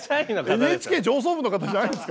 ＮＨＫ上層部の方じゃないんですか。